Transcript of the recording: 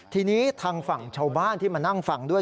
ทีนี้ทางฝั่งชาวบ้านที่มานั่งฟังด้วย